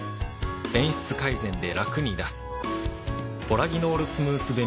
便質改善でラクに出す